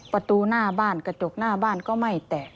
ประตูหน้าบ้านกระจกหน้าบ้านก็ไม่แตก